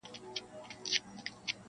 چي د سینې پر باغ دي راسي سېلاوونه--!